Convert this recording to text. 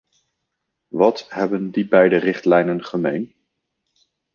Wat hebben die beide richtlijnen gemeen?